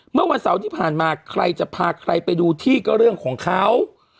เมื่อวันเสาร์ที่ผ่านมาใครจะพาใครไปดูที่ก็เรื่องของเขา